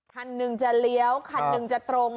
คันหนึ่งจะเลี้ยวคันหนึ่งจะตรง